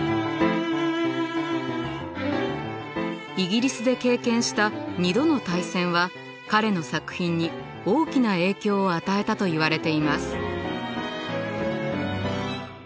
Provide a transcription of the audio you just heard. イギリスで経験した２度の大戦は彼の作品に大きな影響を与えたといわれています。